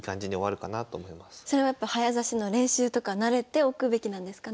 それはやっぱ早指しの練習とか慣れておくべきなんですかね。